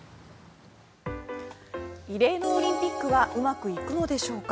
異例のオリンピックはうまくいくのでしょうか。